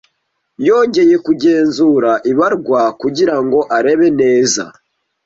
Yongeye kugenzura ibarwa kugirango arebe neza.